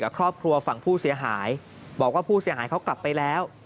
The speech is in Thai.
ครอบครัวฝั่งผู้เสียหายบอกว่าผู้เสียหายเขากลับไปแล้ว